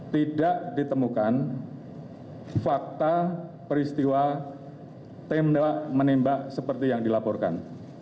tidak ditemukan fakta peristiwa tembak menembak seperti yang dilaporkan